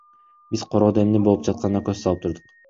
Биз короодо эмне болуп жатканына көз салып турдук.